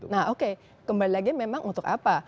nah oke kembali lagi memang untuk apa